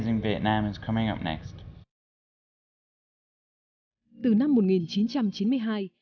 sẽ còn thành công hơn nữa